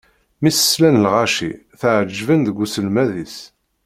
Mi s-slan lɣaci, tɛeǧǧben deg uselmed-is.